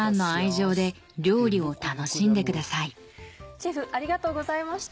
シェフありがとうございました。